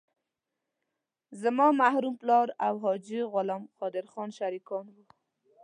زما مرحوم پلار او حاجي غلام قادر خان شریکان وو.